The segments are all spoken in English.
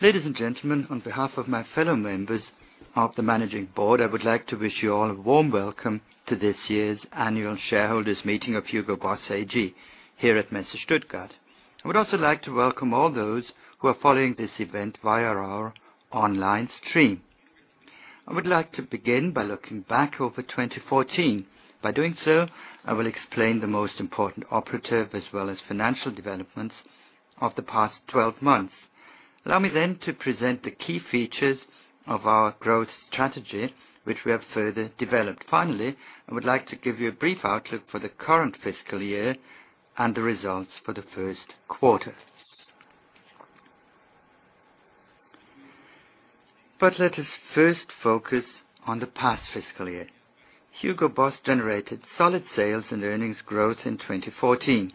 Ladies and gentlemen, on behalf of my fellow members of the managing board, I would like to wish you all a warm welcome to this year's annual shareholders meeting of Hugo Boss AG here at Messe Stuttgart. I would also like to welcome all those who are following this event via our online stream. I would like to begin by looking back over 2014. By doing so, I will explain the most important operative as well as financial developments of the past 12 months. Allow me then to present the key features of our growth strategy, which we have further developed. Finally, I would like to give you a brief outlook for the current fiscal year and the results for the first quarter. Let us first focus on the past fiscal year. Hugo Boss generated solid sales and earnings growth in 2014.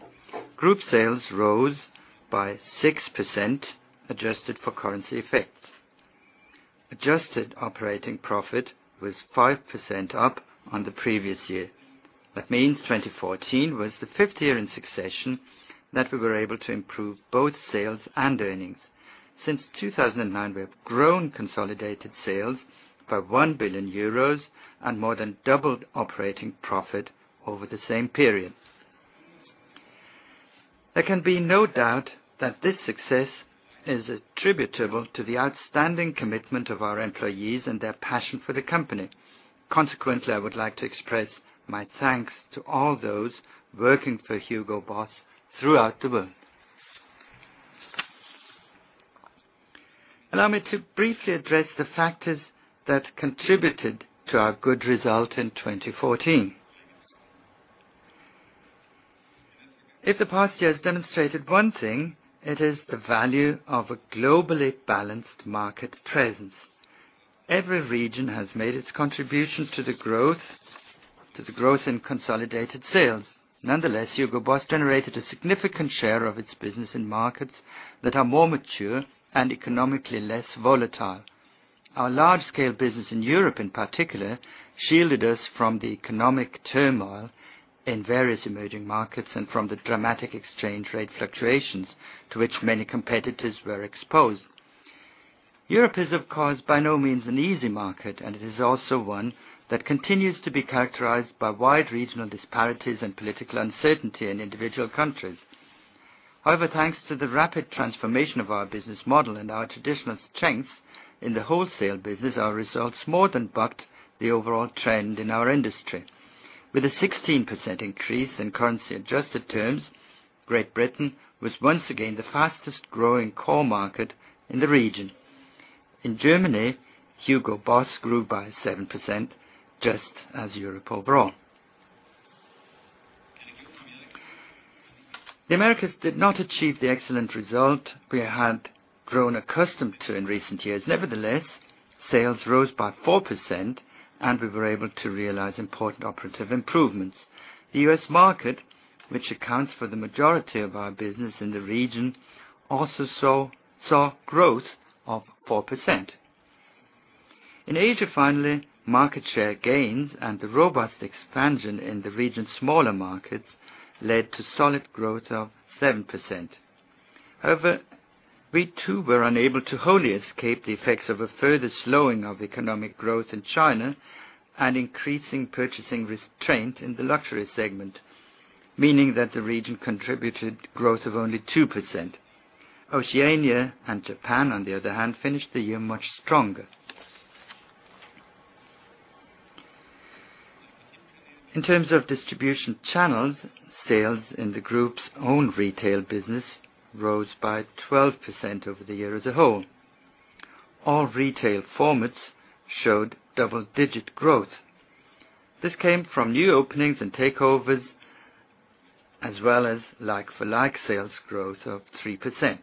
Group sales rose by 6% adjusted for currency effects. Adjusted operating profit was 5% up on the previous year. That means 2014 was the fifth year in succession that we were able to improve both sales and earnings. Since 2009, we have grown consolidated sales by 1 billion euros and more than doubled operating profit over the same period. There can be no doubt that this success is attributable to the outstanding commitment of our employees and their passion for the company. Consequently, I would like to express my thanks to all those working for Hugo Boss throughout the world. Allow me to briefly address the factors that contributed to our good result in 2014. If the past year has demonstrated one thing, it is the value of a globally balanced market presence. Every region has made its contribution to the growth in consolidated sales. Nonetheless, Hugo Boss generated a significant share of its business in markets that are more mature and economically less volatile. Our large-scale business in Europe in particular shielded us from the economic turmoil in various emerging markets and from the dramatic exchange rate fluctuations to which many competitors were exposed. Europe is, of course, by no means an easy market, and it is also one that continues to be characterized by wide regional disparities and political uncertainty in individual countries. However, thanks to the rapid transformation of our business model and our traditional strengths in the wholesale business, our results more than bucked the overall trend in our industry. With a 16% increase in currency-adjusted terms, Great Britain was once again the fastest-growing core market in the region. In Germany, Hugo Boss grew by 7%, just as Europe overall. The Americas did not achieve the excellent result we had grown accustomed to in recent years. Nevertheless, sales rose by 4% and we were able to realize important operative improvements. The U.S. market, which accounts for the majority of our business in the region, also saw growth of 4%. In Asia, finally, market share gains and the robust expansion in the region's smaller markets led to solid growth of 7%. However, we too were unable to wholly escape the effects of a further slowing of economic growth in China and increasing purchasing restraint in the luxury segment, meaning that the region contributed growth of only 2%. Oceania and Japan, on the other hand, finished the year much stronger. In terms of distribution channels, sales in the group's own retail business rose by 12% over the year as a whole. All retail formats showed double-digit growth. This came from new openings and takeovers, as well as like-for-like sales growth of 3%.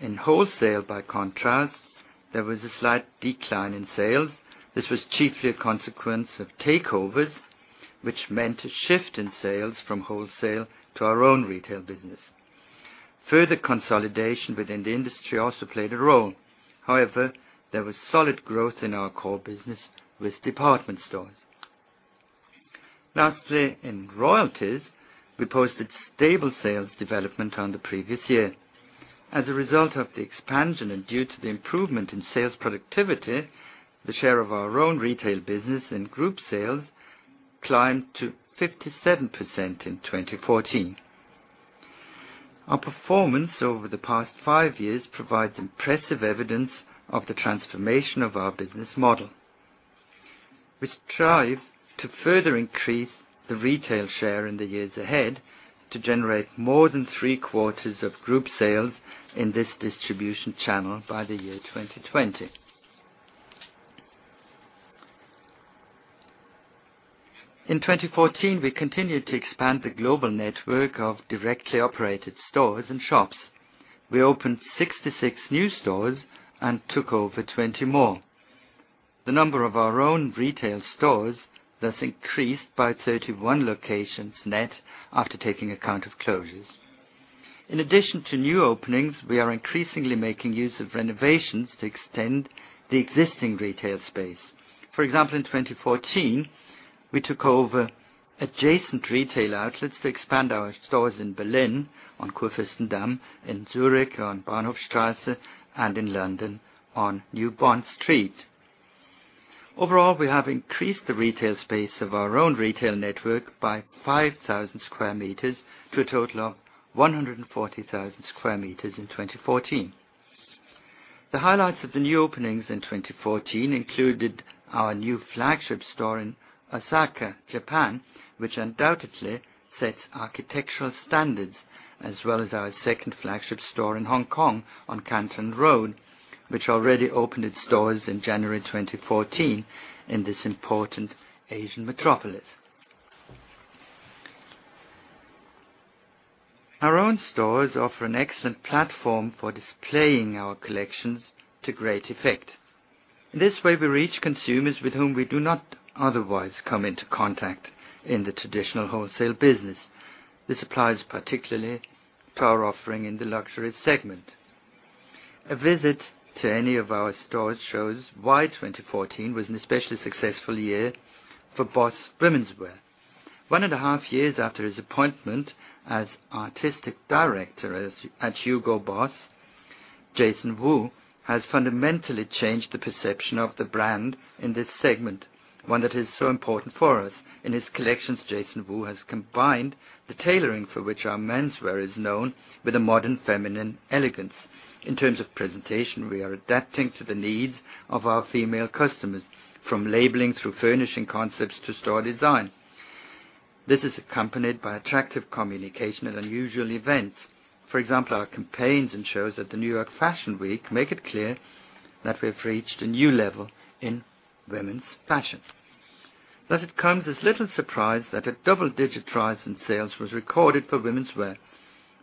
In wholesale, by contrast, there was a slight decline in sales. This was chiefly a consequence of takeovers, which meant a shift in sales from wholesale to our own retail business. Further consolidation within the industry also played a role. However, there was solid growth in our core business with department stores. Lastly, in royalties, we posted stable sales development on the previous year. As a result of the expansion and due to the improvement in sales productivity, the share of our own retail business and group sales climbed to 57% in 2014. Our performance over the past five years provides impressive evidence of the transformation of our business model. We strive to further increase the retail share in the years ahead to generate more than three-quarters of group sales in this distribution channel by the year 2020. In 2014, we continued to expand the global network of directly operated stores and shops. We opened 66 new stores and took over 20 more. The number of our own retail stores thus increased by 31 locations net after taking account of closures. In addition to new openings, we are increasingly making use of renovations to extend the existing retail space. For example, in 2014 we took over adjacent retail outlets to expand our stores in Berlin on Kurfürstendamm, in Zurich on Bahnhofstrasse, and in London on New Bond Street. Overall, we have increased the retail space of our own retail network by 5,000 sq m to a total of 140,000 sq m in 2014. The highlights of the new openings in 2014 included our new flagship store in Osaka, Japan, which undoubtedly sets architectural standards, as well as our second flagship store in Hong Kong on Canton Road, which already opened its doors in January 2014 in this important Asian metropolis. Our own stores offer an excellent platform for displaying our collections to great effect. In this way, we reach consumers with whom we do not otherwise come into contact in the traditional wholesale business. This applies particularly to our offering in the luxury segment. A visit to any of our stores shows why 2014 was an especially successful year for BOSS Womenswear. One and a half years after his appointment as artistic director at Hugo Boss, Jason Wu has fundamentally changed the perception of the brand in this segment, one that is so important for us. In his collections, Jason Wu has combined the tailoring for which our menswear is known with a modern feminine elegance. In terms of presentation, we are adapting to the needs of our female customers, from labeling through furnishing concepts to store design. This is accompanied by attractive communication and unusual events. For example, our campaigns and shows at the New York Fashion Week make it clear that we have reached a new level in women's fashion. Thus, it comes as little surprise that a double-digit rise in sales was recorded for womenswear,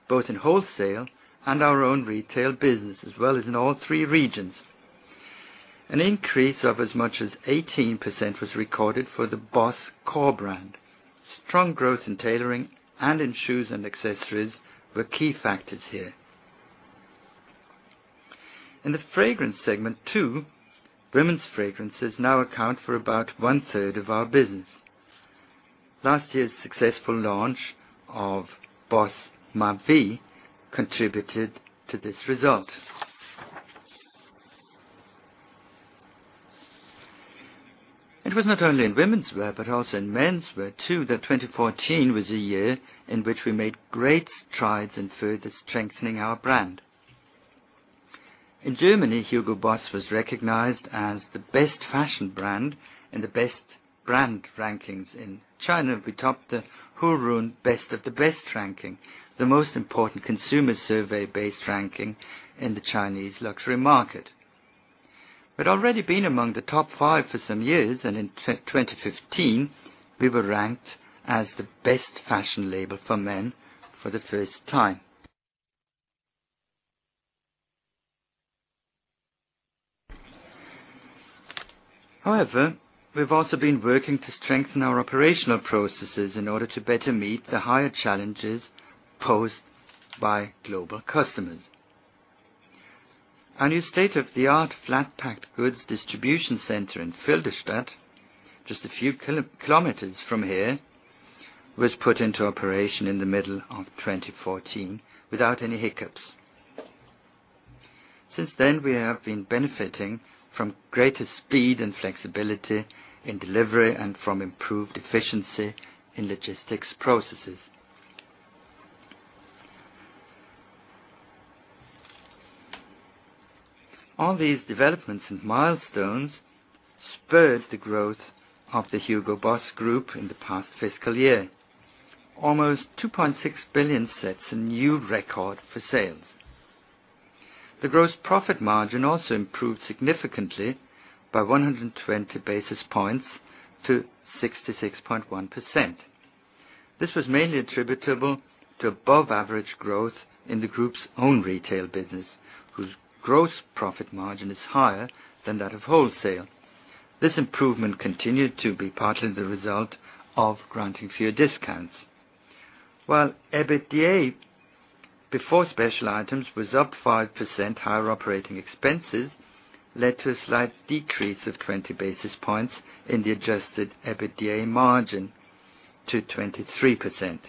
both in wholesale and our own retail business, as well as in all three regions. An increase of as much as 18% was recorded for the BOSS core brand. Strong growth in tailoring and in shoes and accessories were key factors here. In the fragrance segment, too, women's fragrances now account for about one-third of our business. Last year's successful launch of BOSS Ma Vie contributed to this result. It was not only in womenswear but also in menswear, too, that 2014 was a year in which we made great strides in further strengthening our brand. In Germany, Hugo Boss was recognized as the best fashion brand in the best brand rankings. In China, we topped the Hurun Best of the Best ranking, the most important consumer survey-based ranking in the Chinese luxury market. We'd already been among the top five for some years, and in 2015, we were ranked as the best fashion label for men for the first time. However, we've also been working to strengthen our operational processes in order to better meet the higher challenges posed by global customers. Our new state-of-the-art flat-packed goods distribution center in Filderstadt, just a few kilometers from here, was put into operation in the middle of 2014 without any hiccups. Since then, we have been benefiting from greater speed and flexibility in delivery and from improved efficiency in logistics processes. All these developments and milestones spurred the growth of the Hugo Boss Group in the past fiscal year. Almost 2.6 billion sets a new record for sales. The gross profit margin also improved significantly by 120 basis points to 66.1%. This was mainly attributable to above-average growth in the group's own retail business, whose gross profit margin is higher than that of wholesale. This improvement continued to be partly the result of granting fewer discounts. While EBITDA before special items was up 5%, higher operating expenses led to a slight decrease of 20 basis points in the adjusted EBITDA margin to 23%.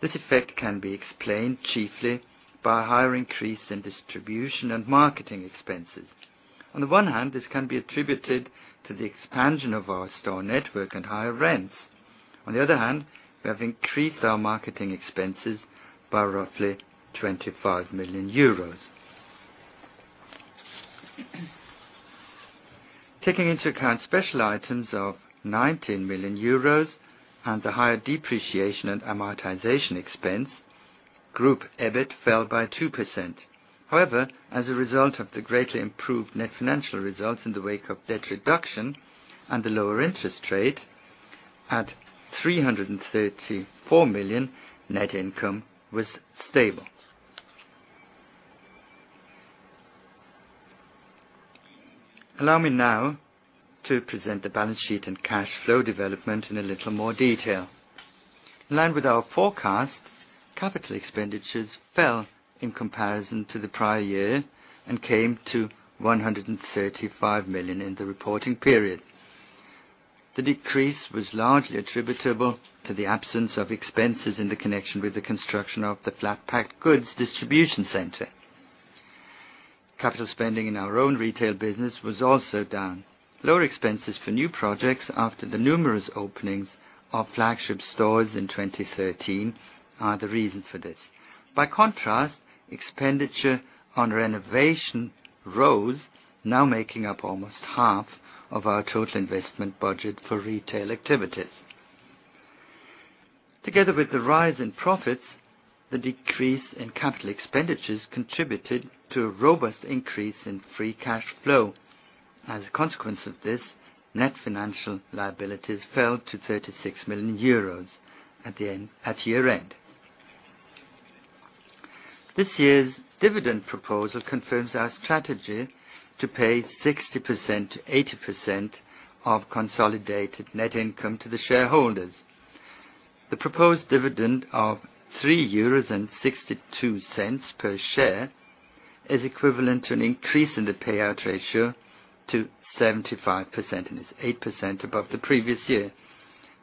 This effect can be explained chiefly by a higher increase in distribution and marketing expenses. On the one hand, this can be attributed to the expansion of our store network and higher rents. On the other hand, we have increased our marketing expenses by roughly 25 million euros. Taking into account special items of 19 million euros and the higher depreciation and amortization expense, group EBIT fell by 2%. However, as a result of the greatly improved net financial results in the wake of debt reduction and the lower interest rate, at 334 million, net income was stable. Allow me now to present the balance sheet and cash flow development in a little more detail. In line with our forecast, capital expenditures fell in comparison to the prior year and came to 135 million in the reporting period. The decrease was largely attributable to the absence of expenses in the connection with the construction of the flat-pack goods distribution center. Capital spending in our own retail business was also down. Lower expenses for new projects after the numerous openings of flagship stores in 2013 are the reason for this. By contrast, expenditure on renovation rose, now making up almost half of our total investment budget for retail activities. Together with the rise in profits, the decrease in capital expenditures contributed to a robust increase in free cash flow. As a consequence of this, net financial liabilities fell to 36 million euros at year-end. This year's dividend proposal confirms our strategy to pay 60%-80% of consolidated net income to the shareholders. The proposed dividend of 3.62 euros per share is equivalent to an increase in the payout ratio to 75%, and it's 8% above the previous year.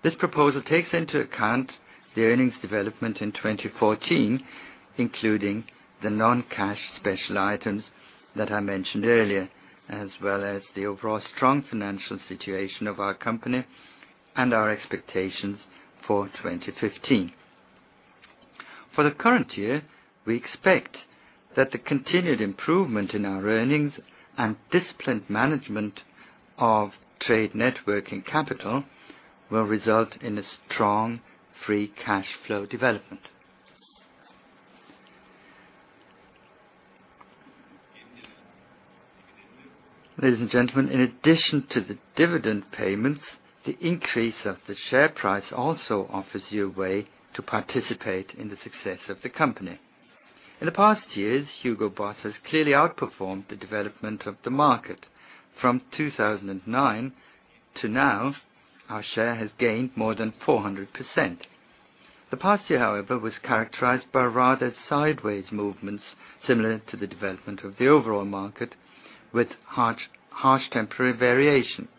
This proposal takes into account the earnings development in 2014, including the non-cash special items that I mentioned earlier, as well as the overall strong financial situation of our company and our expectations for 2015. For the current year, we expect that the continued improvement in our earnings and disciplined management of trade net working capital will result in a strong free cash flow development. Ladies and gentlemen, in addition to the dividend payments, the increase of the share price also offers you a way to participate in the success of the company. In the past years, Hugo Boss has clearly outperformed the development of the market. From 2009 to now, our share has gained more than 400%. The past year, however, was characterized by rather sideways movements similar to the development of the overall market with harsh temporary variation.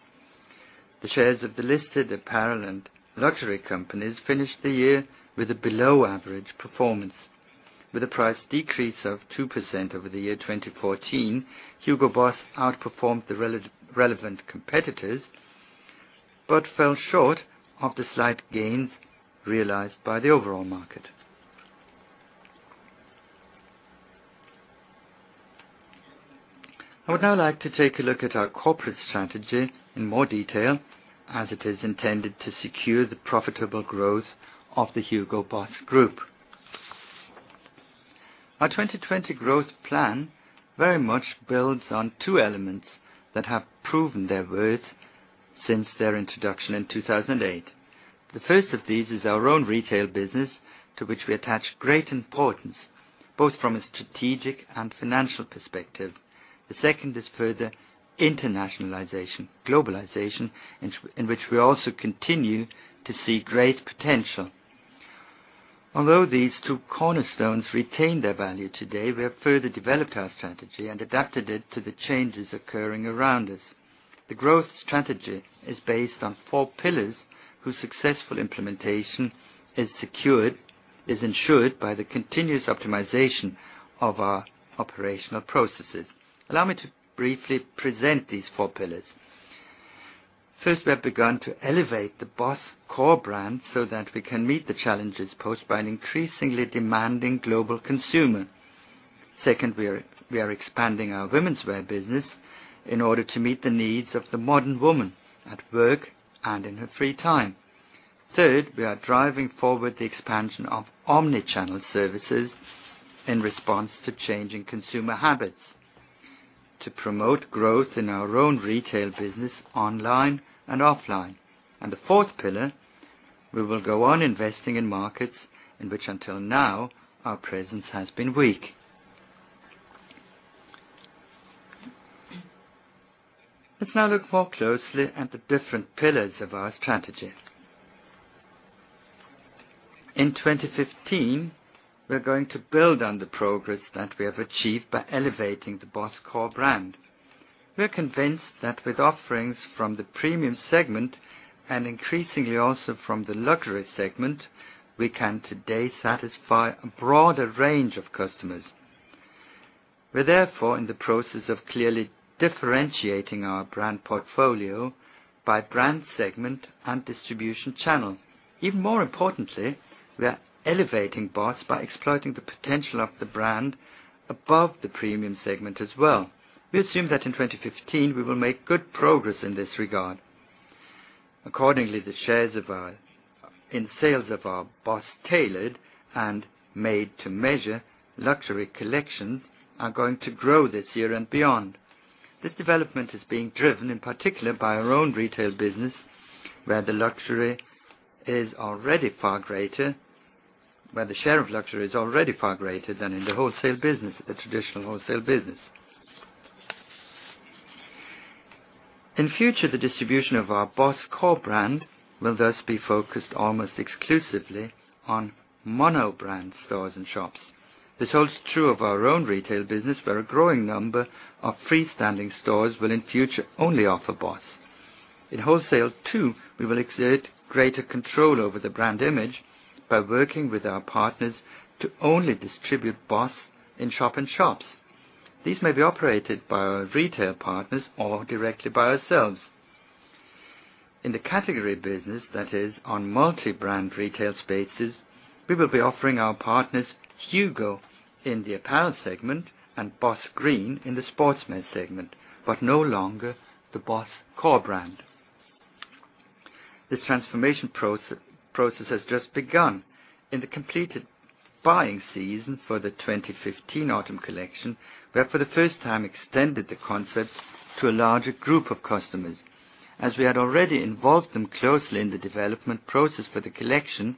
The shares of the listed apparel and luxury companies finished the year with a below-average performance. With a price decrease of 2% over the year 2014, Hugo Boss outperformed the relevant competitors but fell short of the slight gains realized by the overall market. I would now like to take a look at our corporate strategy in more detail as it is intended to secure the profitable growth of the Hugo Boss Group. Our 2020 growth plan very much builds on two elements that have proven their worth since their introduction in 2008. The first of these is our own retail business, to which we attach great importance, both from a strategic and financial perspective. The second is further internationalization, globalization, in which we also continue to see great potential. Although these two cornerstones retain their value today, we have further developed our strategy and adapted it to the changes occurring around us. The growth strategy is based on four pillars, whose successful implementation is ensured by the continuous optimization of our operational processes. Allow me to briefly present these four pillars. First, we have begun to elevate the BOSS core brand so that we can meet the challenges posed by an increasingly demanding global consumer. Second, we are expanding our womenswear business in order to meet the needs of the modern woman at work and in her free time. Third, we are driving forward the expansion of omnichannel services in response to changing consumer habits to promote growth in our own retail business, online and offline. The fourth pillar, we will go on investing in markets in which until now our presence has been weak. Let's now look more closely at the different pillars of our strategy. In 2015, we are going to build on the progress that we have achieved by elevating the BOSS core brand. We are convinced that with offerings from the premium segment and increasingly also from the luxury segment, we can today satisfy a broader range of customers. We are therefore in the process of clearly differentiating our brand portfolio by brand segment and distribution channel. Even more importantly, we are elevating BOSS by exploiting the potential of the brand above the premium segment as well. We assume that in 2015, we will make good progress in this regard. Accordingly, the shares in sales of our BOSS tailored and made-to-measure luxury collections are going to grow this year and beyond. This development is being driven, in particular, by our own retail business, where the share of luxury is already far greater than in the traditional wholesale business. In future, the distribution of our BOSS core brand will thus be focused almost exclusively on mono-brand stores and shops. This holds true of our own retail business, where a growing number of freestanding stores will in future only offer BOSS. In wholesale too, we will exert greater control over the brand image by working with our partners to only distribute BOSS in shop-in-shops. These may be operated by our retail partners or directly by ourselves. In the category business, that is, on multi-brand retail spaces, we will be offering our partners HUGO in the apparel segment and BOSS Green in the sportswear segment, but no longer the BOSS core brand. This transformation process has just begun. In the completed buying season for the 2015 autumn collection, we have for the first time extended the concept to a larger group of customers. As we had already involved them closely in the development process for the collection,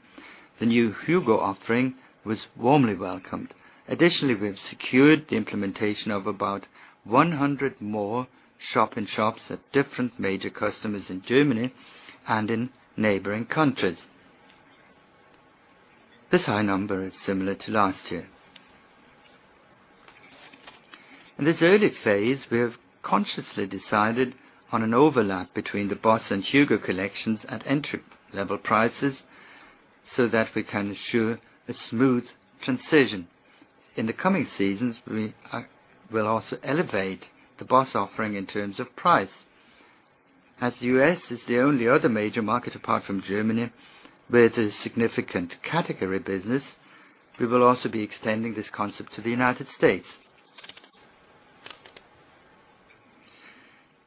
the new HUGO offering was warmly welcomed. Additionally, we have secured the implementation of about 100 more shop-in-shops at different major customers in Germany and in neighboring countries. This high number is similar to last year. In this early phase, we have consciously decided on an overlap between the BOSS and HUGO collections at entry-level prices so that we can ensure a smooth transition. In the coming seasons, we will also elevate the BOSS offering in terms of price. As the U.S. is the only other major market apart from Germany with a significant category business, we will also be extending this concept to the United States.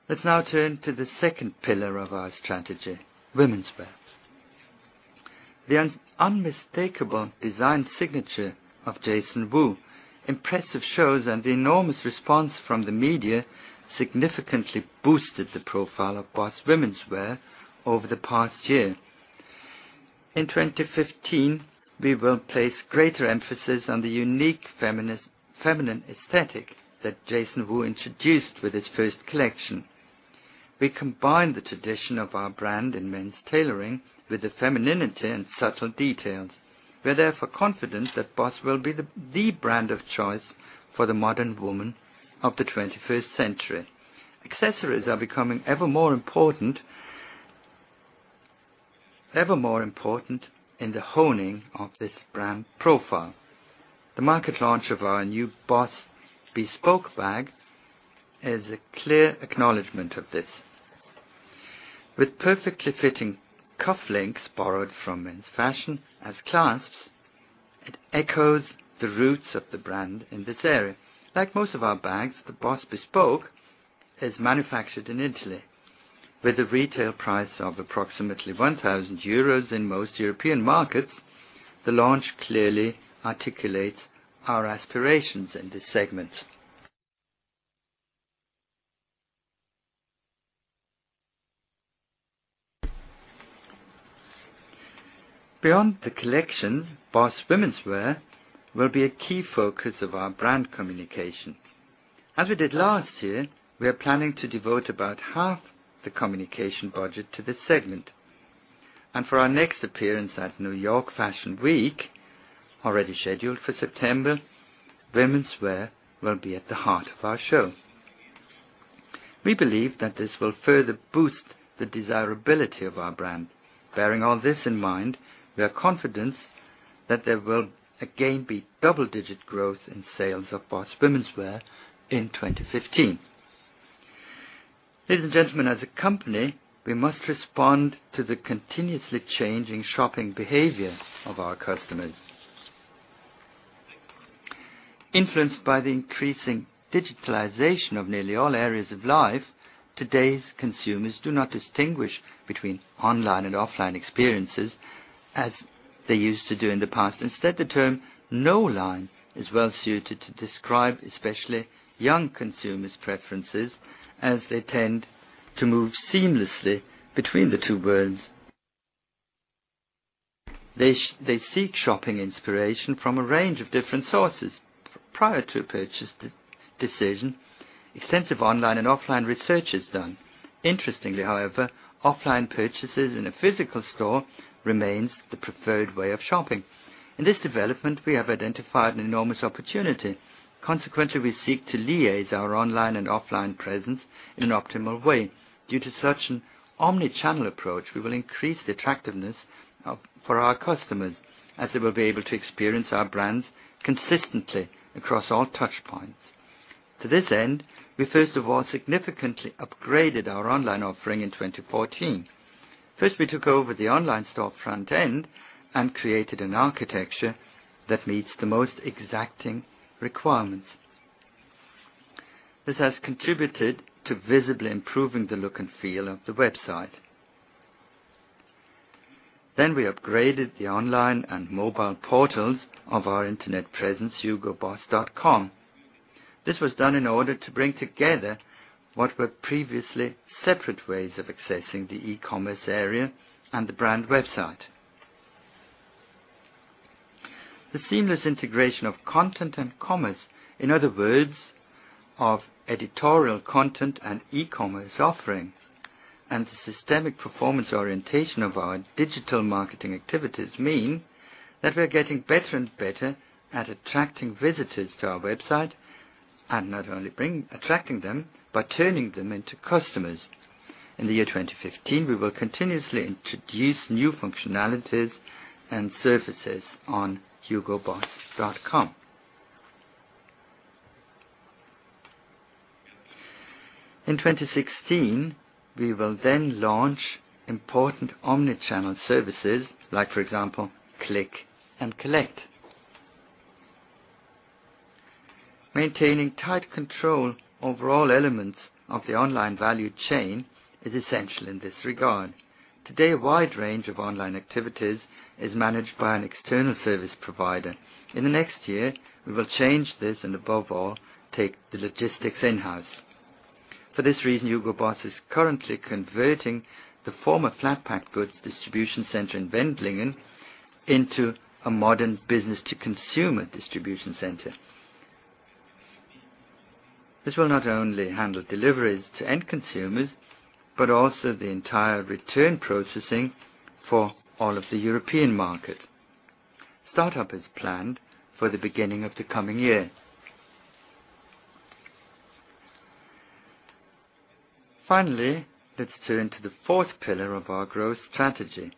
Let's now turn to the second pillar of our strategy: womenswear. The unmistakable design signature of Jason Wu, impressive shows, and the enormous response from the media significantly boosted the profile of BOSS Womenswear over the past year. In 2015, we will place greater emphasis on the unique feminine aesthetic that Jason Wu introduced with his first collection. We combine the tradition of our brand in men's tailoring with the femininity and subtle details. We are therefore confident that BOSS will be the brand of choice for the modern woman of the 21st century. Accessories are becoming ever more important in the honing of this brand profile. The market launch of our new BOSS Bespoke bag is a clear acknowledgment of this. With perfectly fitting cufflinks borrowed from men's fashion as clasps, it echoes the roots of the brand in this area. Like most of our bags, the BOSS Bespoke is manufactured in Italy. With a retail price of approximately 1,000 euros in most European markets, the launch clearly articulates our aspirations in this segment. Beyond the collections, BOSS Womenswear will be a key focus of our brand communication. As we did last year, we are planning to devote about half the communication budget to this segment. For our next appearance at New York Fashion Week, already scheduled for September, Womenswear will be at the heart of our show. We believe that this will further boost the desirability of our brand. Bearing all this in mind, we are confident that there will again be double-digit growth in sales of BOSS Womenswear in 2015. Ladies and gentlemen, as a company, we must respond to the continuously changing shopping behavior of our customers. Influenced by the increasing digitalization of nearly all areas of life, today's consumers do not distinguish between online and offline experiences as they used to do in the past. Instead, the term no-line is well suited to describe especially young consumers' preferences as they tend to move seamlessly between the two worlds. They seek shopping inspiration from a range of different sources. Prior to a purchase decision, extensive online and offline research is done. Interestingly, however, offline purchases in a physical store remains the preferred way of shopping. In this development, we have identified an enormous opportunity. Consequently, we seek to liaise our online and offline presence in an optimal way. Due to such an omnichannel approach, we will increase the attractiveness for our customers as they will be able to experience our brands consistently across all touch points. To this end, we first of all significantly upgraded our online offering in 2014. First, we took over the online store front end and created an architecture that meets the most exacting requirements. This has contributed to visibly improving the look and feel of the website. We upgraded the online and mobile portals of our internet presence, hugoboss.com. This was done in order to bring together what were previously separate ways of accessing the e-commerce area and the brand website. The seamless integration of content and commerce, in other words, of editorial content and e-commerce offerings, and the systemic performance orientation of our digital marketing activities mean that we are getting better and better at attracting visitors to our website, and not only attracting them, but turning them into customers. In the year 2015, we will continuously introduce new functionalities and services on hugoboss.com. In 2016, we will launch important omnichannel services like, for example, Click and Collect. Maintaining tight control over all elements of the online value chain is essential in this regard. Today, a wide range of online activities is managed by an external service provider. In the next year, we will change this and above all, take the logistics in-house. For this reason, Hugo Boss is currently converting the former flat pack goods distribution center in Wendlingen into a modern business-to-consumer distribution center. This will not only handle deliveries to end consumers, but also the entire return processing for all of the European market. Startup is planned for the beginning of the coming year. Finally, let's turn to the fourth pillar of our growth strategy,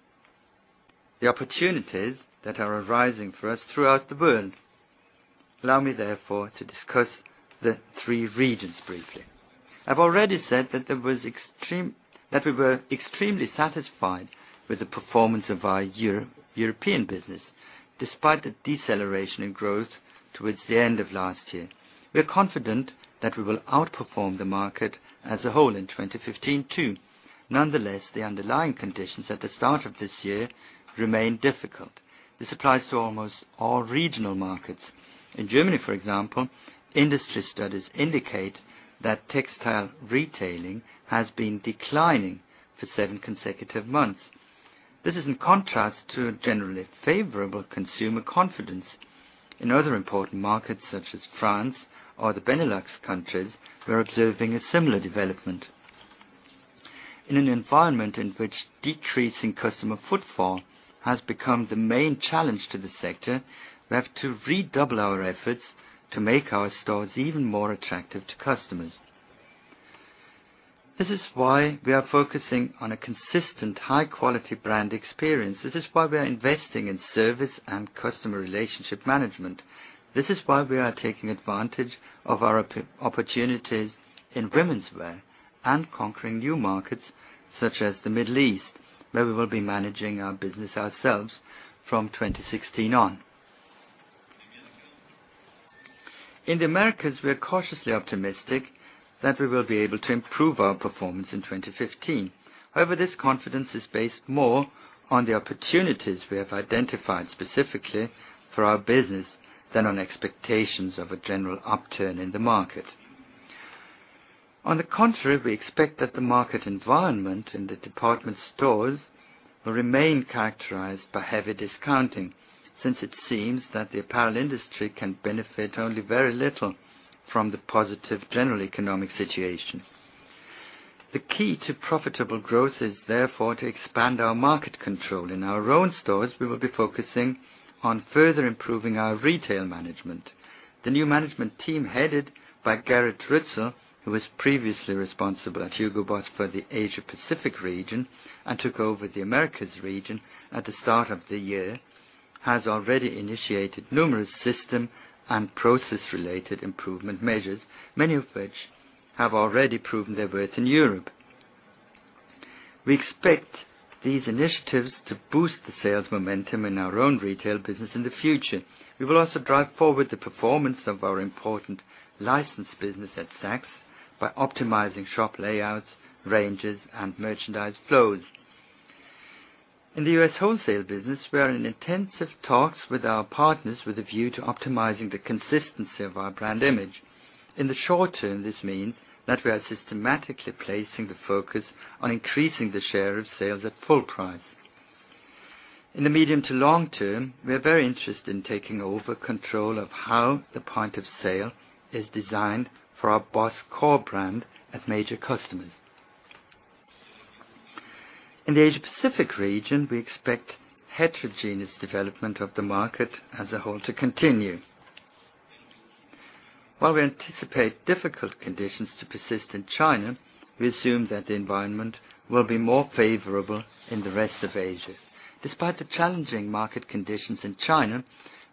the opportunities that are arising for us throughout the world. Allow me therefore to discuss the three regions briefly. I've already said that we were extremely satisfied with the performance of our European business, despite the deceleration in growth towards the end of last year. We are confident that we will outperform the market as a whole in 2015 too. Nonetheless, the underlying conditions at the start of this year remain difficult. This applies to almost all regional markets. In Germany, for example, industry studies indicate that textile retailing has been declining for seven consecutive months. This is in contrast to a generally favorable consumer confidence. In other important markets such as France or the Benelux countries, we are observing a similar development. In an environment in which decreasing customer footfall has become the main challenge to the sector, we have to redouble our efforts to make our stores even more attractive to customers. This is why we are focusing on a consistent high-quality brand experience. This is why we are investing in service and customer relationship management. This is why we are taking advantage of our opportunities in womenswear and conquering new markets such as the Middle East, where we will be managing our business ourselves from 2016 on. In the Americas, we are cautiously optimistic that we will be able to improve our performance in 2015. However, this confidence is based more on the opportunities we have identified specifically for our business than on expectations of a general upturn in the market. On the contrary, we expect that the market environment in the department stores will remain characterized by heavy discounting, since it seems that the apparel industry can benefit only very little from the positive general economic situation. The key to profitable growth is therefore to expand our market control. In our own stores, we will be focusing on further improving our retail management. The new management team, headed by Gerrit Ruetzel, who was previously responsible at Hugo Boss for the Asia-Pacific region and took over the Americas region at the start of the year, has already initiated numerous system and process-related improvement measures, many of which have already proven their worth in Europe. We expect these initiatives to boost the sales momentum in our own retail business in the future. We will also drive forward the performance of our important licensed business at Saks by optimizing shop layouts, ranges, and merchandise flows. In the U.S. wholesale business, we are in intensive talks with our partners with a view to optimizing the consistency of our brand image. In the short term, this means that we are systematically placing the focus on increasing the share of sales at full price. In the medium to long term, we are very interested in taking over control of how the point of sale is designed for our BOSS core brand at major customers. In the Asia-Pacific region, we expect heterogeneous development of the market as a whole to continue. While we anticipate difficult conditions to persist in China, we assume that the environment will be more favorable in the rest of Asia. Despite the challenging market conditions in China,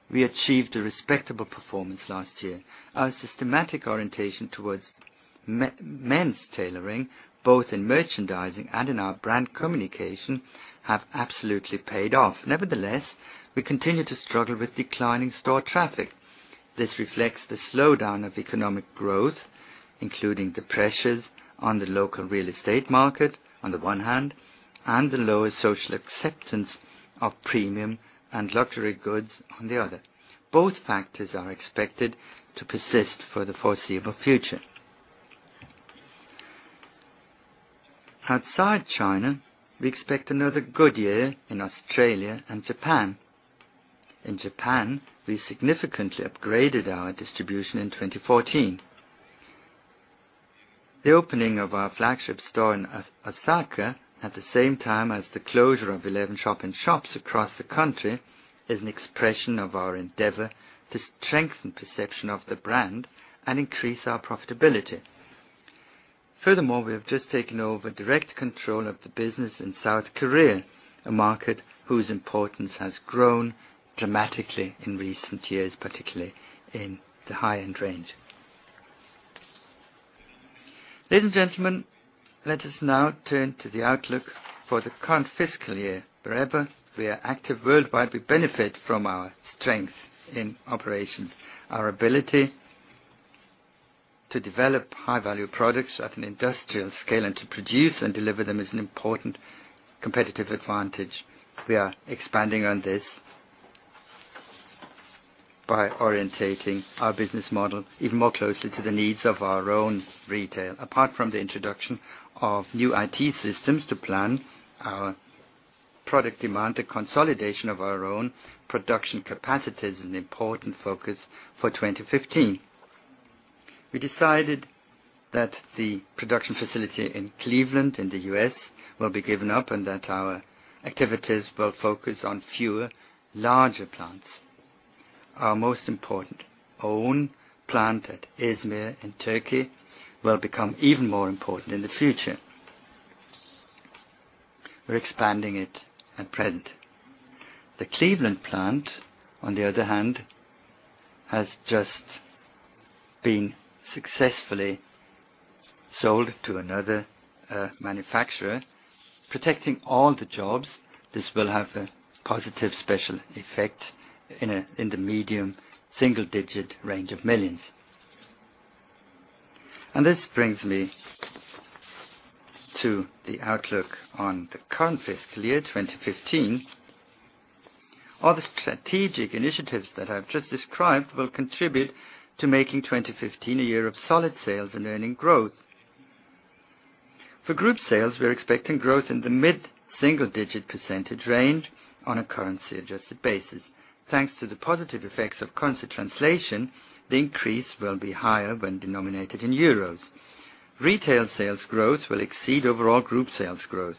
we achieved a respectable performance last year. Our systematic orientation towards men's tailoring, both in merchandising and in our brand communication, have absolutely paid off. Nevertheless, we continue to struggle with declining store traffic. This reflects the slowdown of economic growth, including the pressures on the local real estate market on the one hand, and the lower social acceptance of premium and luxury goods on the other. Both factors are expected to persist for the foreseeable future. Outside China, we expect another good year in Australia and Japan. In Japan, we significantly upgraded our distribution in 2014. The opening of our flagship store in Osaka, at the same time as the closure of 11 shop-in-shops across the country, is an expression of our endeavor to strengthen perception of the brand and increase our profitability. Furthermore, we have just taken over direct control of the business in South Korea, a market whose importance has grown dramatically in recent years, particularly in the high-end range. Ladies and gentlemen, let us now turn to the outlook for the current fiscal year. Wherever we are active worldwide, we benefit from our strength in operations. Our ability to develop high-value products at an industrial scale, and to produce and deliver them is an important competitive advantage. We are expanding on this by orientating our business model even more closely to the needs of our own retail. Apart from the introduction of new IT systems to plan our product demand, a consolidation of our own production capacity is an important focus for 2015. We decided that the production facility in Cleveland in the U.S. will be given up, and that our activities will focus on fewer larger plants. Our most important own plant at Izmir in Turkey will become even more important in the future. We're expanding it at present. The Cleveland plant, on the other hand, has just been successfully sold to another manufacturer, protecting all the jobs. This will have a positive special effect in the medium single-digit range of millions. This brings me to the outlook on the current fiscal year 2015. All the strategic initiatives that I've just described will contribute to making 2015 a year of solid sales and earnings growth. For group sales, we are expecting growth in the mid-single digit percentage range on a currency-adjusted basis. Thanks to the positive effects of currency translation, the increase will be higher when denominated in euros. Retail sales growth will exceed overall group sales growth.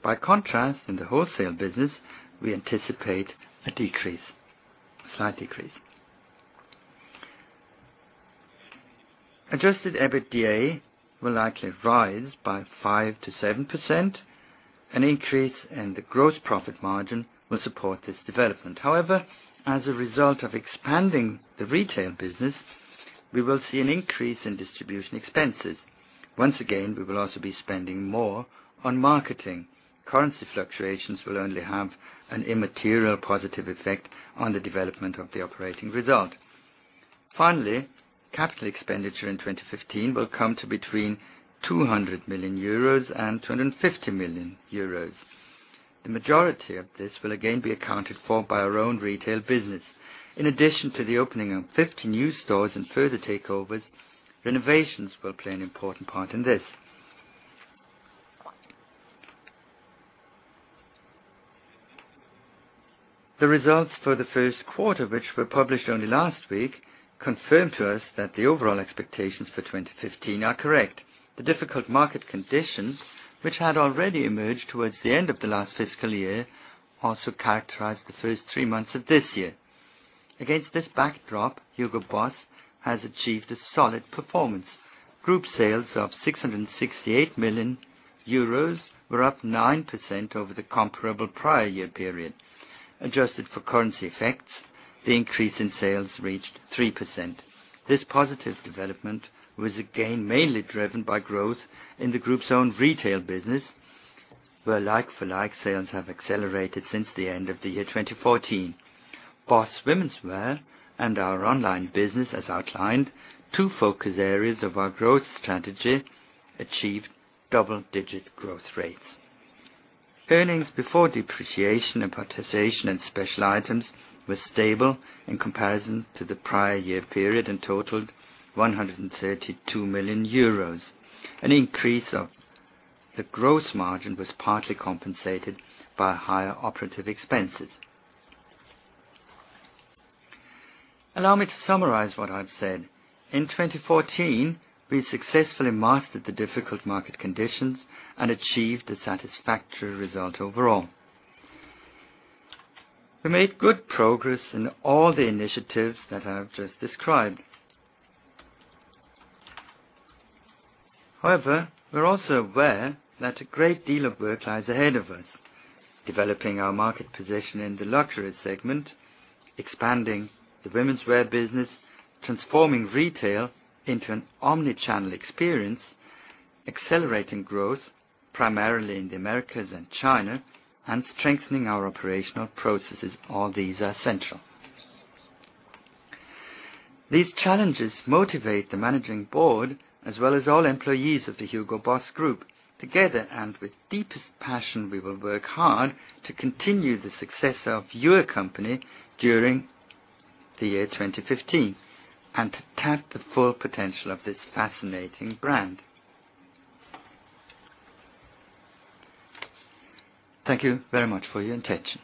By contrast, in the wholesale business, we anticipate a slight decrease. Adjusted EBITDA will likely rise by 5%-7%. An increase in the gross profit margin will support this development. However, as a result of expanding the retail business, we will see an increase in distribution expenses. Once again, we will also be spending more on marketing. Currency fluctuations will only have an immaterial positive effect on the development of the operating result. Finally, capital expenditure in 2015 will come to between 200 million-250 million euros. The majority of this will again be accounted for by our own retail business. In addition to the opening of 50 new stores and further takeovers, renovations will play an important part in this. The results for the first quarter, which were published only last week, confirmed to us that the overall expectations for 2015 are correct. The difficult market conditions, which had already emerged towards the end of the last fiscal year, also characterized the first three months of this year. Against this backdrop, Hugo Boss has achieved a solid performance. Group sales of 668 million euros were up 9% over the comparable prior year period. Adjusted for currency effects, the increase in sales reached 3%. This positive development was again mainly driven by growth in the group's own retail business, where like-for-like sales have accelerated since the end of the year 2014. BOSS Womenswear and our online business as outlined two focus areas of our growth strategy achieved double-digit growth rates. Earnings before depreciation, amortization, and special items were stable in comparison to the prior year period and totaled 132 million euros. An increase of the gross margin was partly compensated by higher operative expenses. Allow me to summarize what I've said. In 2014, we successfully mastered the difficult market conditions and achieved a satisfactory result overall. We made good progress in all the initiatives that I've just described. However, we're also aware that a great deal of work lies ahead of us. Developing our market position in the luxury segment, expanding the womenswear business, transforming retail into an omnichannel experience, accelerating growth, primarily in the Americas and China, and strengthening our operational processes. All these are central. These challenges motivate the managing board as well as all employees of the Hugo Boss Group. Together and with deepest passion, we will work hard to continue the success of your company during the year 2015 and to tap the full potential of this fascinating brand. Thank you very much for your attention.